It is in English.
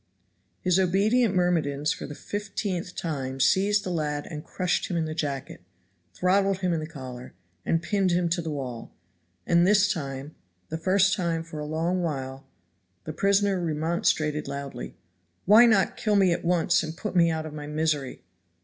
His obedient myrmidons for the fiftieth time seized the lad and crushed him in the jacket, throttled him in the collar, and pinned him to the wall, and this time, the first time for a long while, the prisoner remonstrated loudly. "Why not kill me at once and put me out of my misery!"